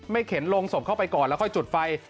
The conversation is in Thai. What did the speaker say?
เข็นโรงศพเข้าไปก่อนแล้วค่อยจุดไฟ